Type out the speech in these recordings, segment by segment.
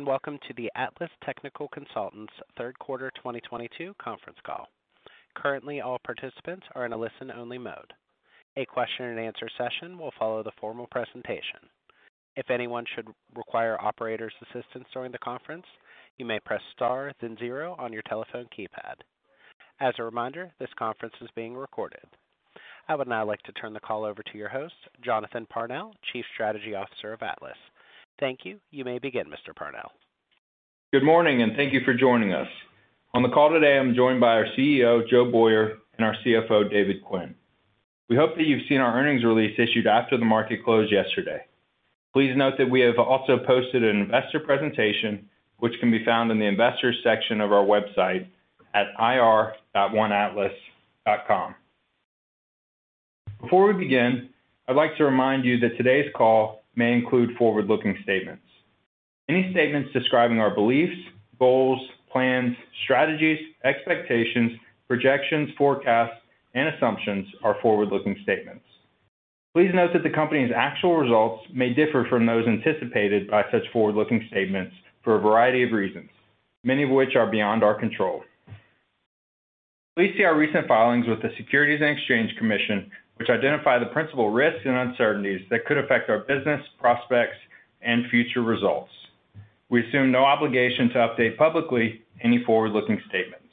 Hello, and welcome to the Atlas Technical Consultants Third Quarter 2022 Conference Call. Currently, all participants are in a listen-only mode. A question and answer session will follow the formal presentation. If anyone should require operator's assistance during the conference, you may press star then zero on your telephone keypad. As a reminder, this conference is being recorded. I would now like to turn the call over to your host, Jonathan Parnell, Chief Strategy Officer of Atlas. Thank you. You may begin, Mr. Parnell. Good morning, and thank you for joining us. On the call today, I'm joined by our CEO, Joe Boyer, and our CFO, David Quinn. We hope that you've seen our earnings release issued after the market closed yesterday. Please note that we have also posted an investor presentation which can be found in the investors section of our website at ir.oneatlas.com. Before we begin, I'd like to remind you that today's call may include forward-looking statements. Any statements describing our beliefs, goals, plans, strategies, expectations, projections, forecasts, and assumptions are forward-looking statements. Please note that the company's actual results may differ from those anticipated by such forward-looking statements for a variety of reasons, many of which are beyond our control. Please see our recent filings with the Securities and Exchange Commission, which identify the principal risks and uncertainties that could affect our business prospects and future results. We assume no obligation to update publicly any forward-looking statements.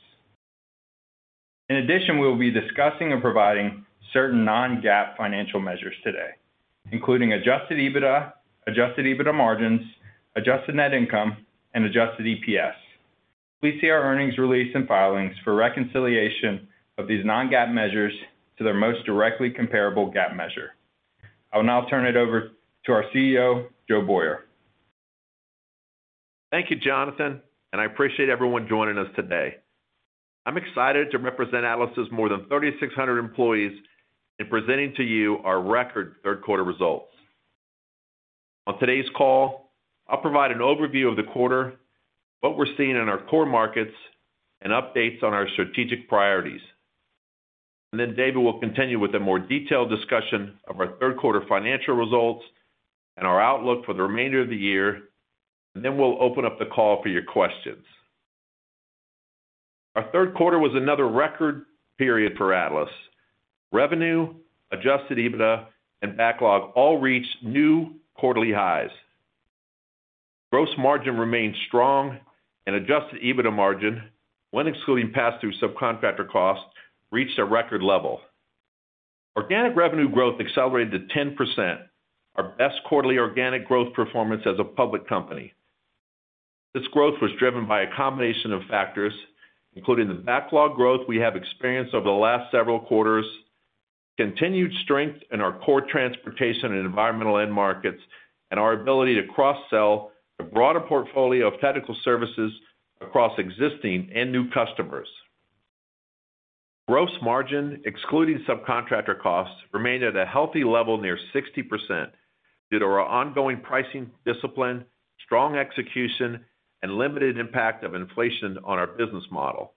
In addition, we will be discussing or providing certain non-GAAP financial measures today, including adjusted EBITDA, adjusted EBITDA margins, adjusted net income, and adjusted EPS. Please see our earnings release and filings for a reconciliation of these non-GAAP measures to their most directly comparable GAAP measure. I will now turn it over to our CEO, Joe Boyer. Thank you, Jonathan, and I appreciate everyone joining us today. I'm excited to represent Atlas' more than 3,600 employees in presenting to you our record third quarter results. On today's call, I'll provide an overview of the quarter, what we're seeing in our core markets, and updates on our strategic priorities. David will continue with a more detailed discussion of our third quarter financial results and our outlook for the remainder of the year. We'll open up the call for your questions. Our third quarter was another record period for Atlas. Revenue, adjusted EBITDA, and backlog all reached new quarterly highs. Gross margin remained strong and adjusted EBITDA margin, when excluding pass-through subcontractor costs, reached a record level. Organic revenue growth accelerated to 10%, our best quarterly organic growth performance as a public company. This growth was driven by a combination of factors, including the backlog growth we have experienced over the last several quarters, continued strength in our core transportation and environmental end markets, and our ability to cross-sell a broader portfolio of technical services across existing and new customers. Gross margin, excluding subcontractor costs, remained at a healthy level near 60% due to our ongoing pricing discipline, strong execution, and limited impact of inflation on our business model.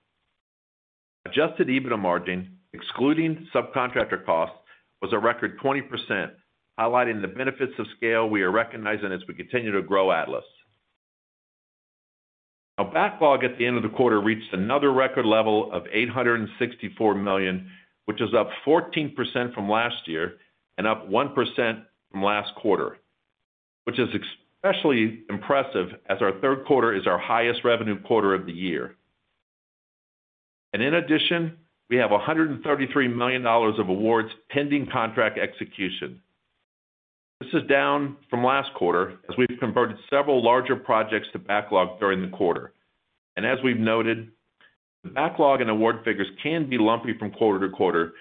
Adjusted EBITDA margin, excluding subcontractor costs, was a record 20%, highlighting the benefits of scale we are recognizing as we continue to grow Atlas. Our backlog at the end of the quarter reached another record level of $864 million, which is up 14% from last year and up 1% from last quarter, which is especially impressive as our third quarter is our highest revenue quarter of the year. In addition, we have $133 million of awards pending contract execution. This is down from last quarter as we've converted several larger projects to backlog during the quarter. As we've noted, the backlog and award figures can be lumpy from quarter to quarter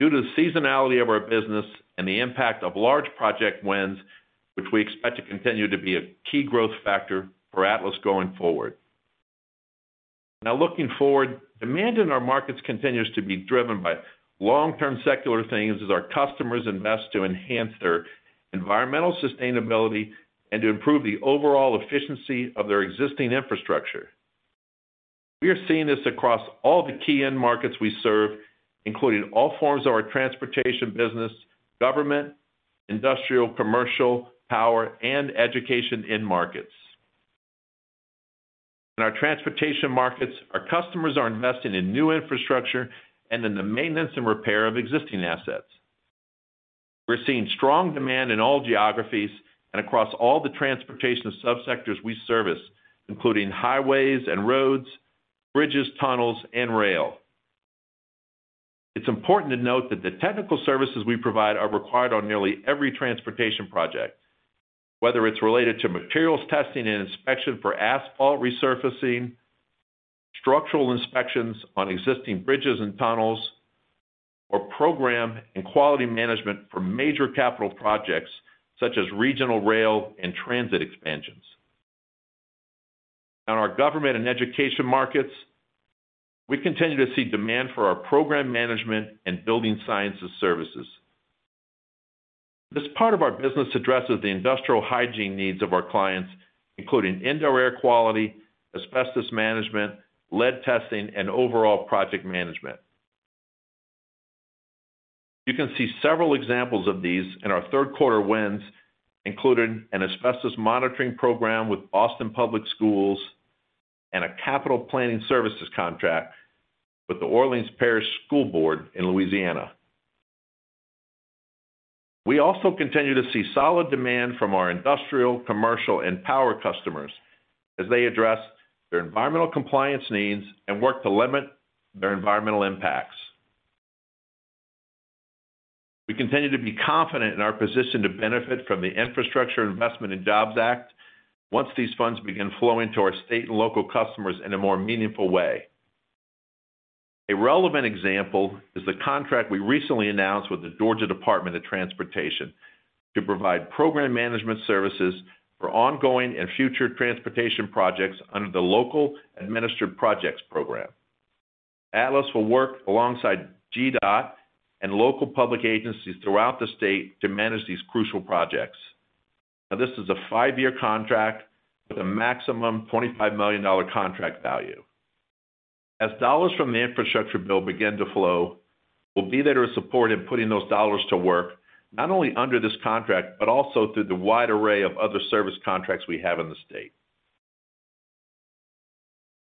due to the seasonality of our business and the impact of large project wins, which we expect to continue to be a key growth factor for Atlas going forward. Now looking forward, demand in our markets continues to be driven by long-term secular things as our customers invest to enhance their environmental sustainability and to improve the overall efficiency of their existing infrastructure. We are seeing this across all the key end markets we serve, including all forms of our transportation business, government, industrial, commercial, power, and education end markets. In our transportation markets, our customers are investing in new infrastructure and in the maintenance and repair of existing assets. We're seeing strong demand in all geographies and across all the transportation subsectors we service, including highways and roads, bridges, tunnels, and rail. It's important to note that the technical services we provide are required on nearly every transportation project, whether it's related to materials testing and inspection for asphalt resurfacing, structural inspections on existing bridges and tunnels, or program and quality management for major capital projects such as regional rail and transit expansions. In our government and education markets, we continue to see demand for our program management and building sciences services. This part of our business addresses the industrial hygiene needs of our clients, including indoor air quality, asbestos management, lead testing, and overall project management. You can see several examples of these in our third quarter wins, including an asbestos monitoring program with Boston Public Schools and a capital planning services contract with the Orleans Parish School Board in Louisiana. We also continue to see solid demand from our industrial, commercial, and power customers as they address their environmental compliance needs and work to limit their environmental impacts. We continue to be confident in our position to benefit from the Infrastructure Investment and Jobs Act once these funds begin flowing to our state and local customers in a more meaningful way. A relevant example is the contract we recently announced with the Georgia Department of Transportation to provide program management services for ongoing and future transportation projects under the Locally Administered Projects Program. Atlas will work alongside GDOT and local public agencies throughout the state to manage these crucial projects. Now, this is a five-year contract with a maximum $25 million contract value. As dollars from the infrastructure bill begin to flow, we'll be there to support in putting those dollars to work, not only under this contract, but also through the wide array of other service contracts we have in the state.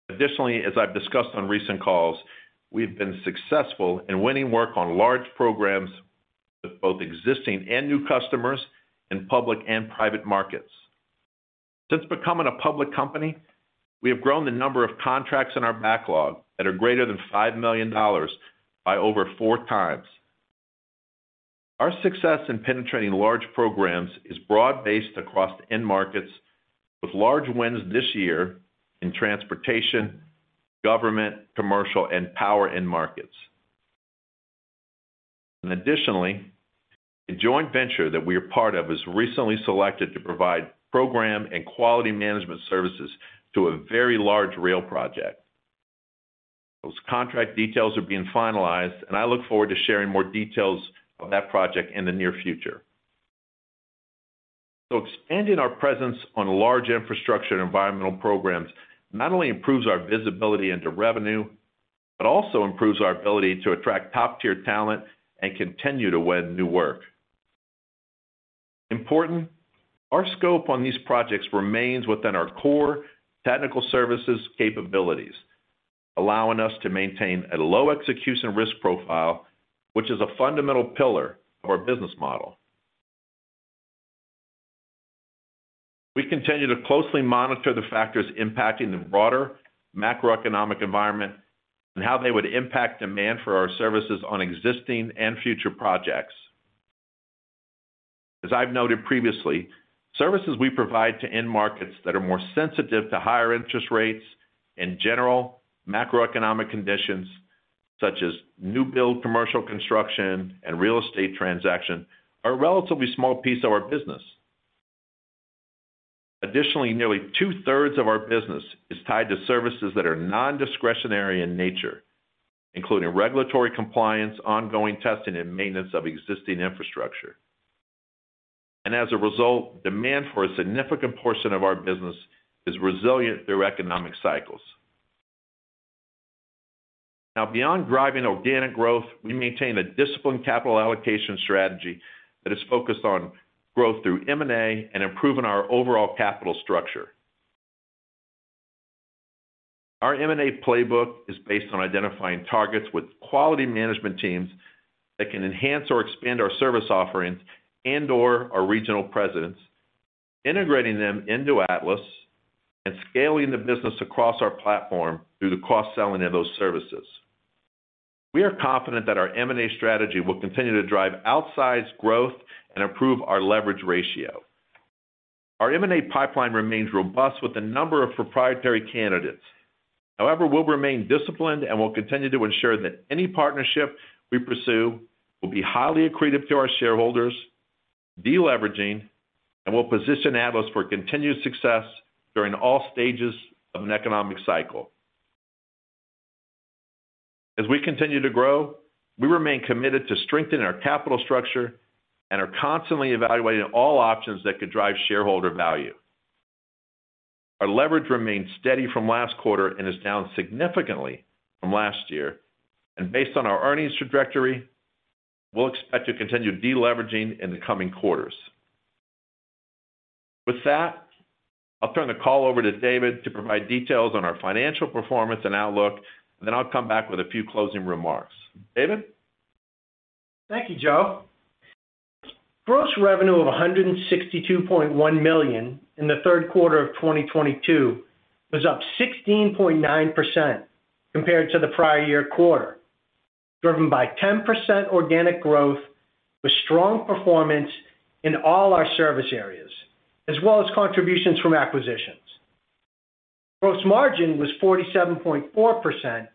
Additionally, as I've discussed on recent calls, we've been successful in winning work on large programs with both existing and new customers in public and private markets. Since becoming a public company, we have grown the number of contracts in our backlog that are greater than $5 million by over 4 times. Our success in penetrating large programs is broad-based across end markets with large wins this year in transportation, government, commercial, and power end markets. Additionally, a joint venture that we are part of was recently selected to provide program and quality management services to a very large rail project. Those contract details are being finalized, and I look forward to sharing more details on that project in the near future. Expanding our presence on large infrastructure and environmental programs not only improves our visibility into revenue, but also improves our ability to attract top-tier talent and continue to win new work. Important, our scope on these projects remains within our core technical services capabilities, allowing us to maintain a low execution risk profile, which is a fundamental pillar of our business model. We continue to closely monitor the factors impacting the broader macroeconomic environment and how they would impact demand for our services on existing and future projects. As I've noted previously, services we provide to end markets that are more sensitive to higher interest rates and general macroeconomic conditions, such as new build commercial construction and real estate transaction, are a relatively small piece of our business. Additionally, nearly two-thirds of our business is tied to services that are nondiscretionary in nature, including regulatory compliance, ongoing testing, and maintenance of existing infrastructure. As a result, demand for a significant portion of our business is resilient through economic cycles. Now, beyond driving organic growth, we maintain a disciplined capital allocation strategy that is focused on growth through M&A and improving our overall capital structure. Our M&A playbook is based on identifying targets with quality management teams that can enhance or expand our service offerings and/or our regional presence, integrating them into Atlas and scaling the business across our platform through the cross-selling of those services. We are confident that our M&A strategy will continue to drive outsized growth and improve our leverage ratio. Our M&A pipeline remains robust with a number of proprietary candidates. However, we'll remain disciplined and will continue to ensure that any partnership we pursue will be highly accretive to our shareholders, deleveraging, and will position Atlas for continued success during all stages of an economic cycle. As we continue to grow, we remain committed to strengthening our capital structure and are constantly evaluating all options that could drive shareholder value. Our leverage remains steady from last quarter and is down significantly from last year. Based on our earnings trajectory, we'll expect to continue deleveraging in the coming quarters. With that, I'll turn the call over to David to provide details on our financial performance and outlook. I'll come back with a few closing remarks. David? Thank you, Joe. Gross revenue of $162.1 million in the third quarter of 2022 was up 16.9% compared to the prior year quarter, driven by 10% organic growth with strong performance in all our service areas, as well as contributions from acquisitions. Gross margin was 47.4%,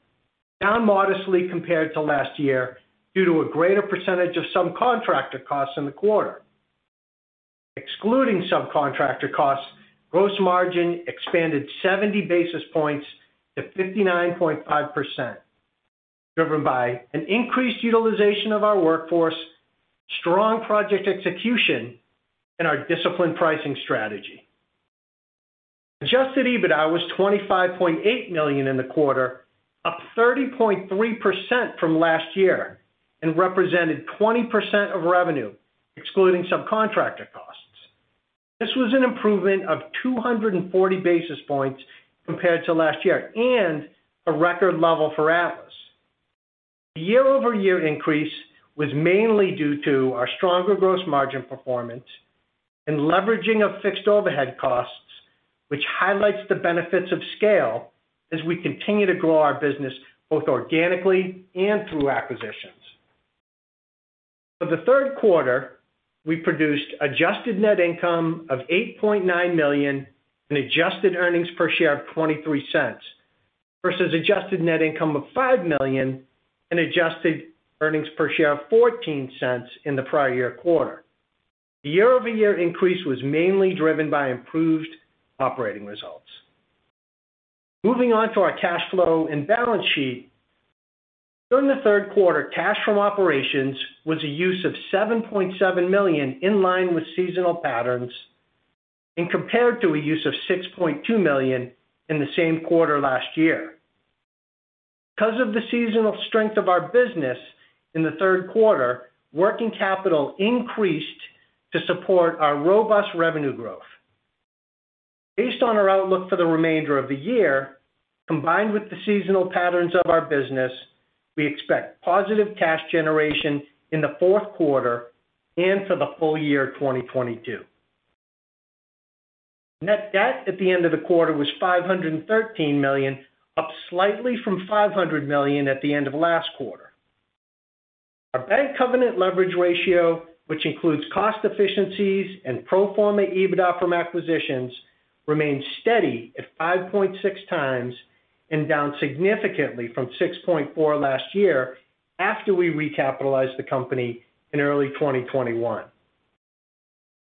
down modestly compared to last year due to a greater percentage of subcontractor costs in the quarter. Excluding subcontractor costs, gross margin expanded 70 basis points to 59.5%, driven by an increased utilization of our workforce, strong project execution, and our disciplined pricing strategy. Adjusted EBITDA was $25.8 million in the quarter, up 30.3% from last year and represented 20% of revenue excluding subcontractor costs. This was an improvement of 240 basis points compared to last year and a record level for Atlas. The year-over-year increase was mainly due to our stronger gross margin performance and leveraging of fixed overhead costs, which highlights the benefits of scale as we continue to grow our business both organically and through acquisitions. For the third quarter, we produced adjusted net income of $8.9 million and adjusted earnings per share of $0.23 versus adjusted net income of $5 million and adjusted earnings per share of $0.14 in the prior year quarter. The year-over-year increase was mainly driven by improved operating results. Moving on to our cash flow and balance sheet. During the third quarter, cash from operations was a use of $7.7 million, in line with seasonal patterns and compared to a use of $6.2 million in the same quarter last year. Because of the seasonal strength of our business in the third quarter, working capital increased to support our robust revenue growth. Based on our outlook for the remainder of the year, combined with the seasonal patterns of our business, we expect positive cash generation in the fourth quarter and for the full year 2022. Net debt at the end of the quarter was $513 million, up slightly from $500 million at the end of last quarter. Our bank covenant leverage ratio, which includes cost efficiencies and pro forma EBITDA from acquisitions, remained steady at 5.6 times and down significantly from 6.4 last year after we recapitalized the company in early 2021.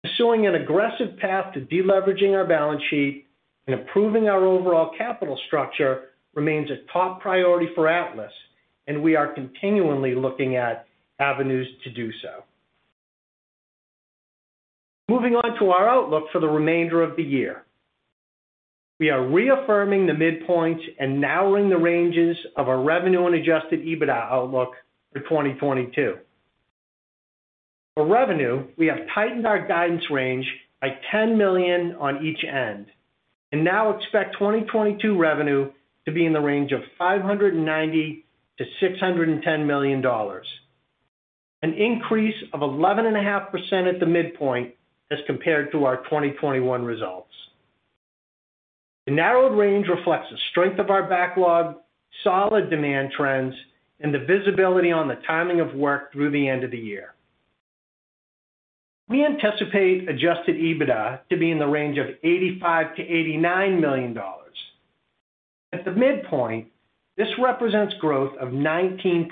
Pursuing an aggressive path to deleveraging our balance sheet and improving our overall capital structure remains a top priority for Atlas, and we are continually looking at avenues to do so. Moving on to our outlook for the remainder of the year. We are reaffirming the midpoint and narrowing the ranges of our revenue and adjusted EBITDA outlook for 2022. For revenue, we have tightened our guidance range by $10 million on each end and now expect 2022 revenue to be in the range of $590 million to $610 million, an increase of 11.5% at the midpoint as compared to our 2021 results. The narrowed range reflects the strength of our backlog, solid demand trends, and the visibility on the timing of work through the end of the year. We anticipate Adjusted EBITDA to be in the range of $85 million to $89 million. At the midpoint, this represents growth of 19%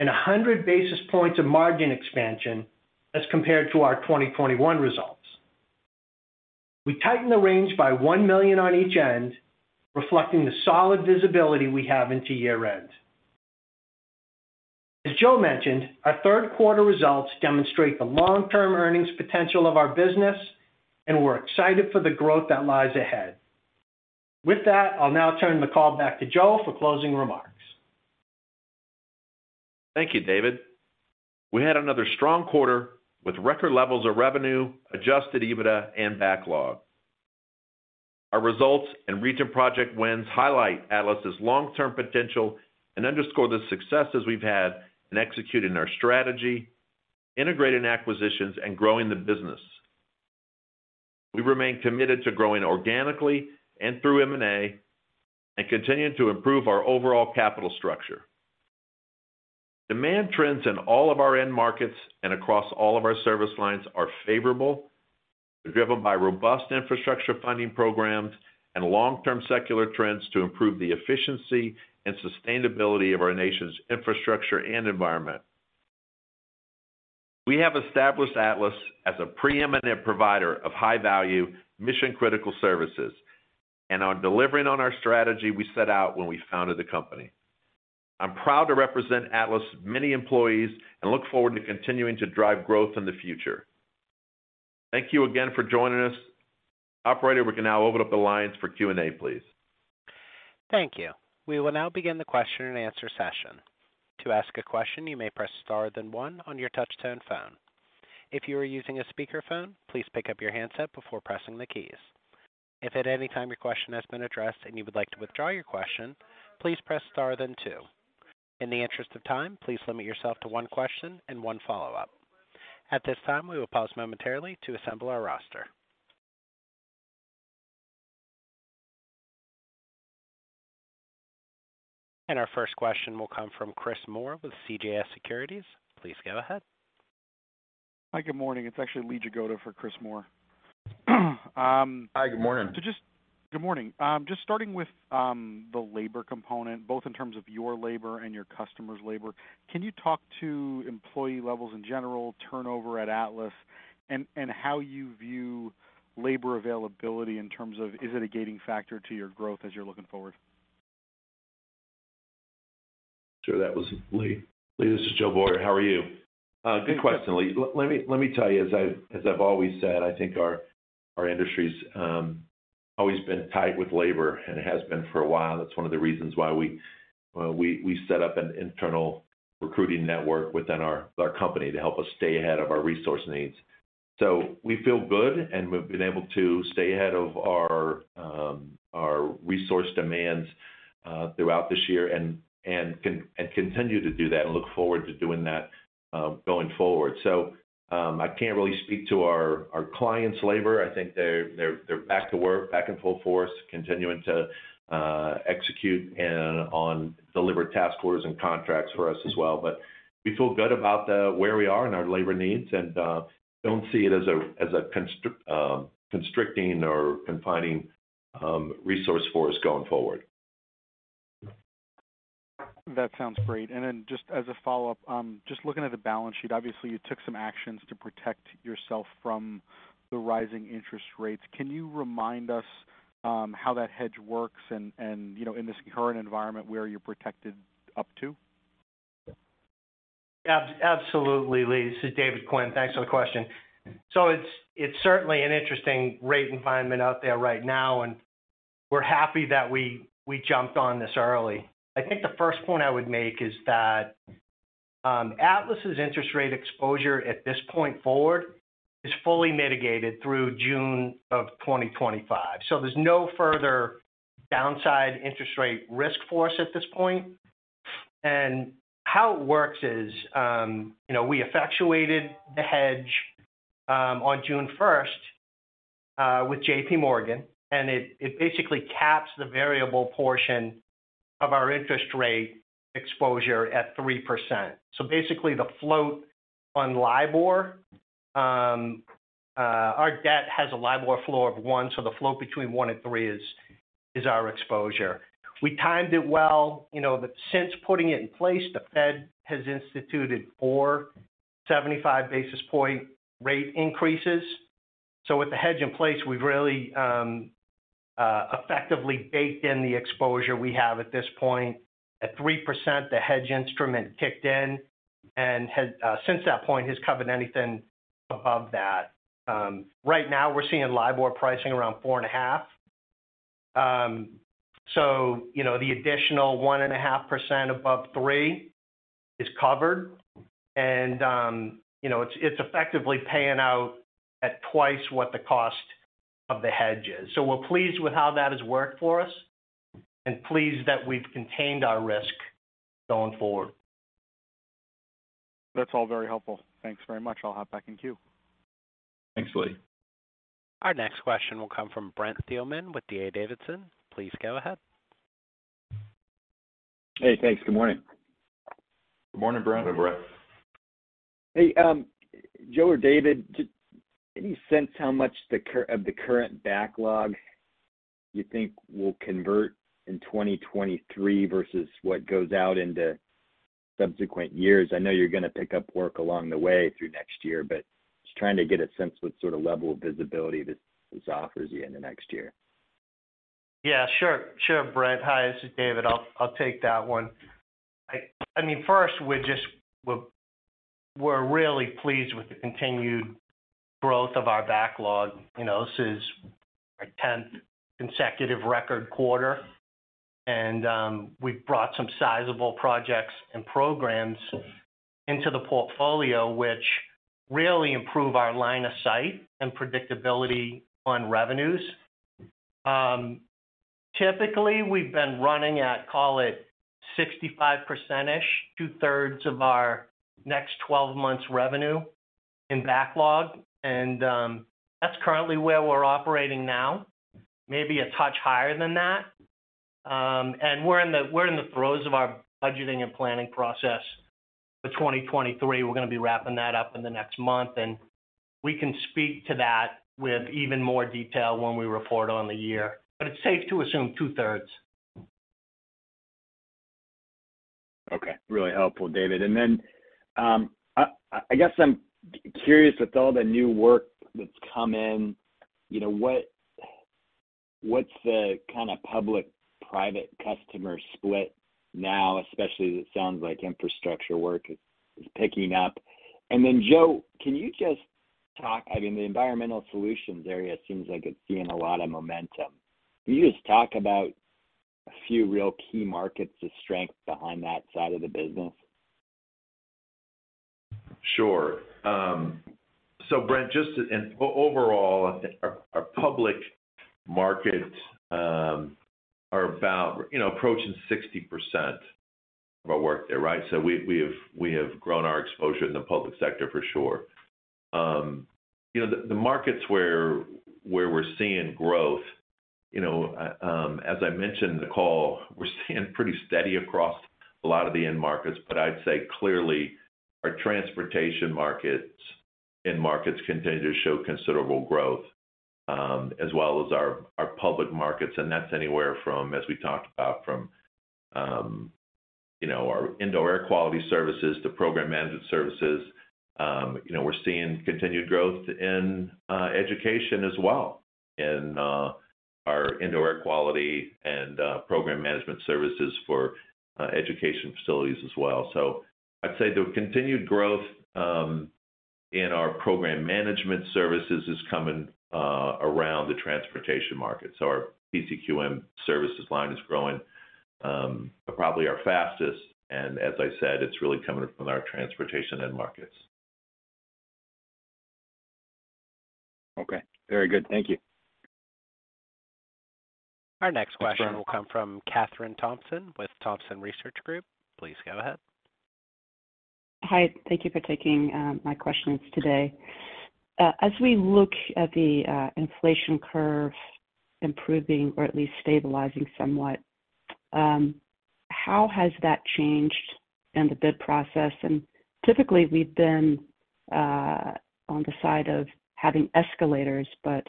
and 100 basis points of margin expansion as compared to our 2021 results. We tightened the range by $1 million on each end, reflecting the solid visibility we have into year-end. As Joe mentioned, our third quarter results demonstrate the long-term earnings potential of our business, and we're excited for the growth that lies ahead. With that, I'll now turn the call back to Joe for closing remarks. Thank you, David. We had another strong quarter with record levels of revenue, Adjusted EBITDA and backlog. Our results and recent project wins highlight Atlas's long-term potential and underscore the successes we've had in executing our strategy, integrating acquisitions and growing the business. We remain committed to growing organically and through M&A and continue to improve our overall capital structure. Demand trends in all of our end markets and across all of our service lines are favorable. They're driven by robust infrastructure funding programs and long-term secular trends to improve the efficiency and sustainability of our nation's infrastructure and environment. We have established Atlas as a preeminent provider of high-value, mission-critical services and are delivering on our strategy we set out when we founded the company. I'm proud to represent Atlas' many employees and look forward to continuing to drive growth in the future. Thank you again for joining us. Operator, we can now open up the lines for Q&A, please. Thank you. We will now begin the question-and-answer session. To ask a question, you may press star then one on your touch-tone phone. If you are using a speakerphone, please pick up your handset before pressing the keys. If at any time your question has been addressed and you would like to withdraw your question, please press star then two. In the interest of time, please limit yourself to one question and one follow-up. At this time, we will pause momentarily to assemble our roster. Our first question will come from Chris Moore with CJS Securities. Please go ahead. Hi, good morning. It's actually Lee Jagoda for Chris Moore. Hi, good morning. Good morning. Just starting with the labor component, both in terms of your labor and your customers' labor, can you talk to employee levels in general, turnover at Atlas, and how you view labor availability in terms of is it a gating factor to your growth as you're looking forward? Sure, that was Lee. Lee, this is Joe Boyer. How are you? Good question, Lee. Let me tell you as I've always said, I think our industry's always been tight with labor, and it has been for a while. That's one of the reasons why we set up an internal recruiting network within our company to help us stay ahead of our resource needs. We feel good, and we've been able to stay ahead of our resource demands throughout this year and continue to do that and look forward to doing that going forward. I can't really speak to our clients' labor. I think they're back to work, back in full force, continuing to execute on delivered task orders and contracts for us as well. We feel good about where we are in our labor needs and don't see it as a constricting or confining resource for us going forward. That sounds great. Just as a follow-up, just looking at the balance sheet, obviously you took some actions to protect yourself from the rising interest rates. Can you remind us, how that hedge works and, you know, in this current environment, where you're protected up to? Absolutely, Lee. This is David Quinn. Thanks for the question. It's certainly an interesting rate environment out there right now, and we're happy that we jumped on this early. I think the first point I would make is that Atlas's interest rate exposure at this point forward is fully mitigated through June of 2025. There's no further downside interest rate risk for us at this point. How it works is, you know, we effectuated the hedge on June 1st with JP Morgan, and it basically caps the variable portion of our interest rate exposure at 3%. Basically the float on LIBOR, our debt has a LIBOR floor of one, so the float between one and three is our exposure. We timed it well, you know. Since putting it in place, the Fed has instituted four 75 basis point rate increases. With the hedge in place, we've really effectively baked in the exposure we have at this point. At 3%, the hedge instrument kicked in and has since that point covered anything above that. Right now we're seeing LIBOR pricing around 4.5. You know, the additional 1.5% above 3 is covered. You know, it's effectively paying out at twice what the cost of the hedge is. We're pleased with how that has worked for us and pleased that we've contained our risk going forward. That's all very helpful. Thanks very much. I'll hop back in queue. Thanks, Lee. Our next question will come from Brent Thielman with D.A. Davidson. Please go ahead. Hey, thanks. Good morning. Good morning, Brent. Good morning. Hey, Joe or David, just any sense how much of the current backlog you think will convert in 2023 versus what goes out into subsequent years? I know you're gonna pick up work along the way through next year, but just trying to get a sense what sort of level of visibility this offers you in the next year? Yeah, sure. Sure, Brent. Hi, this is David. I'll take that one. I mean, first we're really pleased with the continued growth of our backlog. You know, this is our 10th consecutive record quarter, and we've brought some sizable projects and programs into the portfolio which really improve our line of sight and predictability on revenues. Typically, we've been running at, call it 65%-ish, two-thirds of our next 12 months revenue in backlog. And that's currently where we're operating now, maybe a touch higher than that. And we're in the throes of our budgeting and planning process for 2023. We're gonna be wrapping that up in the next month, and we can speak to that with even more detail when we report on the year. But it's safe to assume two-thirds. Okay. Really helpful, David. I guess I'm curious with all the new work that's come in, you know, what's the kinda public-private customer split now, especially as it sounds like infrastructure work is picking up? Joe, can you just talk. I mean, the environmental solutions area seems like it's seeing a lot of momentum. Can you just talk about a few real key markets of strength behind that side of the business? Sure. Brent, just overall, I think our public markets are about, you know, approaching 60% of our work there, right? We have grown our exposure in the public sector for sure. You know, the markets where we're seeing growth, you know, as I mentioned in the call, we're seeing pretty steady across a lot of the end markets. I'd say clearly our transportation end markets continue to show considerable growth, as well as our public markets, and that's anywhere from, as we talked about, you know, our indoor air quality services to program management services. You know, we're seeing continued growth in education as well in our indoor air quality and program management services for education facilities as well. I'd say the continued growth in our program management services is coming around the transportation market. Our PCQM services line is growing probably our fastest, and as I said, it's really coming from our transportation end markets. Okay. Very good. Thank you. Our next question will come from Kathryn Thompson with Thompson Research Group. Please go ahead. Hi. Thank you for taking my questions today. As we look at the inflation curve improving or at least stabilizing somewhat, how has that changed in the bid process? Typically we've been on the side of having escalators, but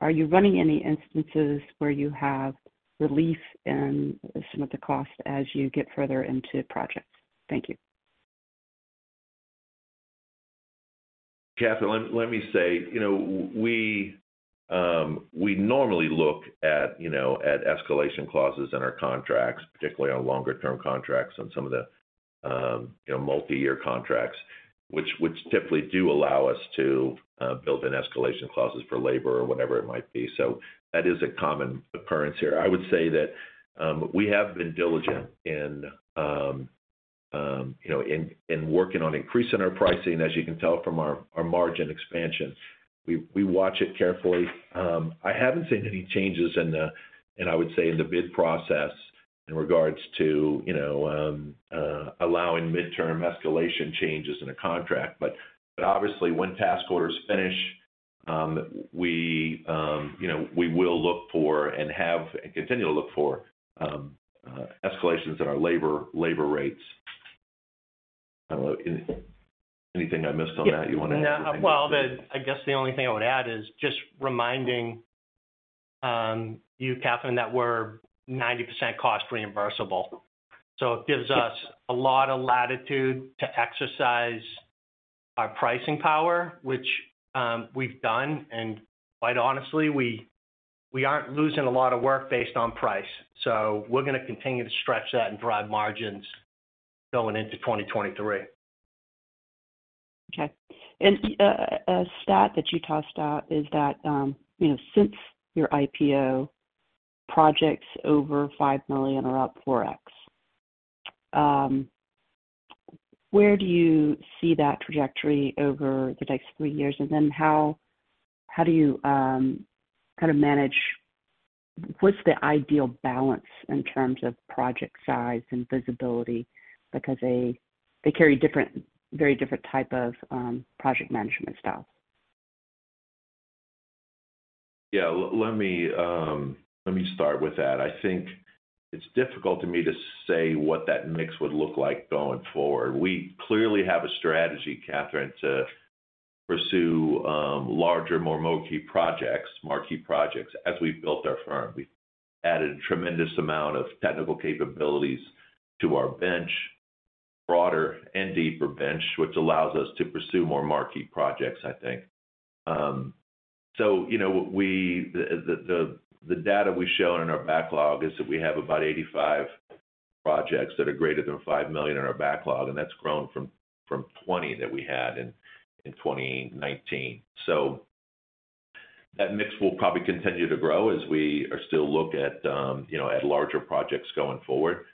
are you running any instances where you have relief in some of the costs as you get further into projects? Thank you. Kathryn, let me say, you know, we normally look at, you know, at escalation clauses in our contracts, particularly on longer term contracts on some of the, you know, multiyear contracts, which typically do allow us to build in escalation clauses for labor or whatever it might be. So that is a common occurrence here. I would say that we have been diligent in, you know, in working on increasing our pricing, as you can tell from our margin expansion. We watch it carefully. I haven't seen any changes, I would say, in the bid process in regards to, you know, allowing midterm escalation changes in a contract. Obviously, when task orders finish, we, you know, we will look for and have and continue to look for escalations in our labor rates. I don't know. Anything I missed on that you wanna add? Yeah. Well, I guess the only thing I would add is just reminding you, Kathryn, that we're 90% cost reimbursable. So it gives us a lot of latitude to exercise our pricing power, which we've done, and quite honestly, we aren't losing a lot of work based on price. So we're gonna continue to stretch that and drive margins going into 2023. Okay. A stat that you tossed out is that, you know, since your IPO, projects over $5 million are up 4x. Where do you see that trajectory over the next three years? How do you kind of manage what's the ideal balance in terms of project size and visibility? Because they carry very different type of project management styles. Yeah. Let me start with that. I think it's difficult for me to say what that mix would look like going forward. We clearly have a strategy, Kathryn, to pursue larger, more marquee projects as we've built our firm. We've added a tremendous amount of technical capabilities to our broader and deeper bench, which allows us to pursue more marquee projects, I think. The data we've shown in our backlog is that we have about 85 projects that are greater than $5 million in our backlog, and that's grown from 20 that we had in 2019. That mix will probably continue to grow as we are still looking at larger projects going forward.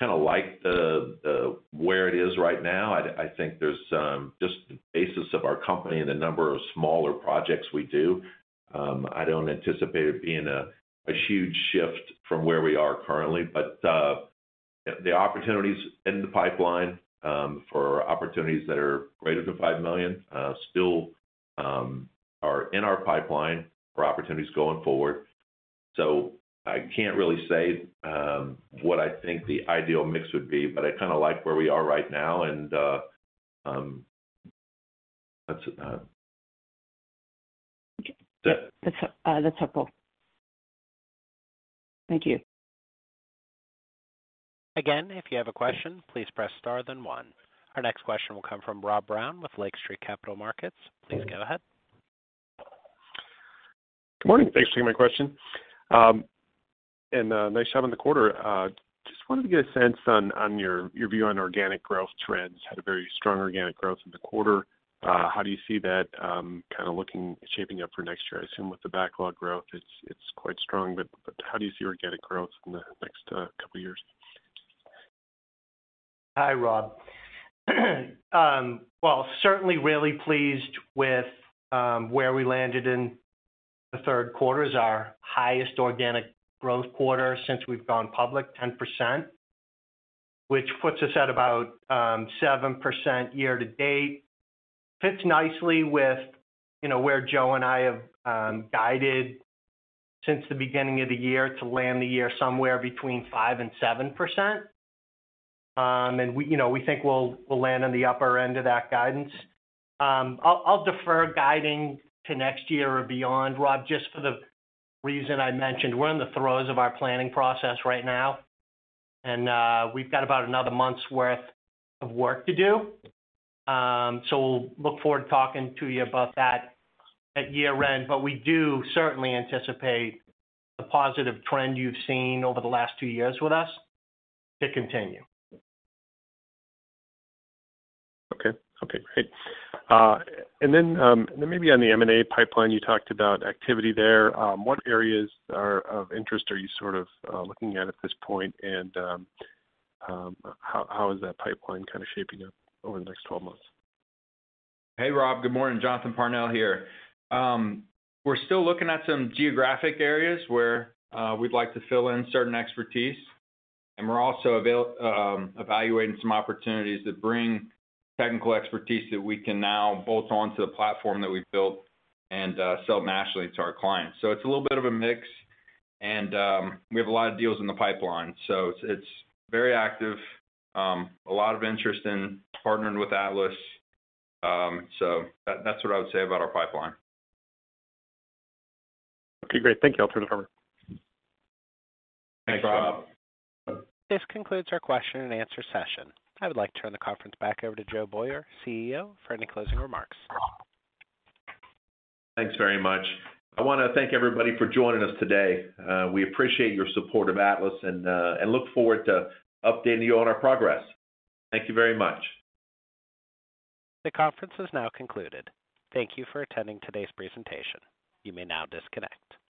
I kinda like the where it is right now. I think there's just the basis of our company and the number of smaller projects we do. I don't anticipate it being a huge shift from where we are currently. The opportunities in the pipeline for opportunities that are greater than $5 million still are in our pipeline for opportunities going forward. I can't really say what I think the ideal mix would be, but I kinda like where we are right now and that's it. Okay. That's helpful. Thank you. Again, if you have a question, please press star then one. Our next question will come from Rob Brown with Lake Street Capital Markets. Please go ahead. Good morning. Thanks for taking my question. Nice job on the quarter. Just wanted to get a sense on your view on organic growth trends. Had a very strong organic growth in the quarter. How do you see that kinda looking, shaping up for next year? I assume with the backlog growth, it's quite strong, but how do you see organic growth in the next couple years? Hi, Rob. Well, certainly really pleased with where we landed in the third quarter as our highest organic growth quarter since we've gone public, 10%, which puts us at about 7% year to date. Fits nicely with, you know, where Joe and I have guided since the beginning of the year to land the year somewhere between 5% and 7%. We, you know, we think we'll land on the upper end of that guidance. I'll defer guiding to next year or beyond, Rob, just for the reason I mentioned. We're in the throes of our planning process right now, and we've got about another month's worth of work to do. We'll look forward to talking to you about that at year-end. We do certainly anticipate the positive trend you've seen over the last two years with us to continue. Okay, great. Maybe on the M&A pipeline, you talked about activity there. What areas of interest are you sort of looking at at this point, and how is that pipeline kinda shaping up over the next 12 months? Hey, Rob. Good morning. Jonathan Parnell here. We're still looking at some geographic areas where we'd like to fill in certain expertise, and we're also evaluating some opportunities that bring technical expertise that we can now bolt on to the platform that we've built and sell nationally to our clients. It's a little bit of a mix, and we have a lot of deals in the pipeline. It's very active. A lot of interest in partnering with Atlas. That's what I would say about our pipeline. Okay, great. Thank y'all. Turn it over. Thanks, Rob. This concludes our question and answer session. I would like to turn the conference back over to Joe Boyer, CEO, for any closing remarks. Thanks very much. I wanna thank everybody for joining us today. We appreciate your support of Atlas and look forward to updating you on our progress. Thank you very much. The conference is now concluded. Thank you for attending today's presentation. You may now disconnect.